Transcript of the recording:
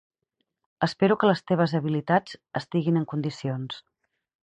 Espero que les teves habilitats estiguin en condicions.